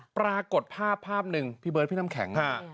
ปรากฏภาพภาพหนึ่งพี่เบิร์ดพี่น้ำแข็ง